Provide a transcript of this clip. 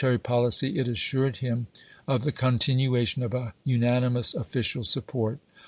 On his mil itary policy it assured him of the continuation of a unanimous official support.